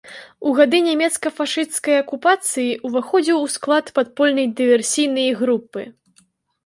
У гады нямецка-фашысцкай акупацыі ўваходзіў у склад падпольнай дыверсійнай групы.